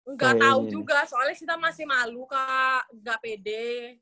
nggak tahu juga soalnya kita masih malu kak nggak pede